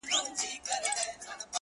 • هم د پسونو هم د هوسیانو ,